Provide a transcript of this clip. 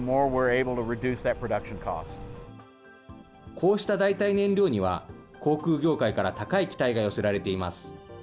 こうした代替燃料には、航空業界から高い期待が寄せられています。